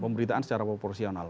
pemberitaan secara proporsional